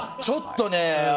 ちょっとね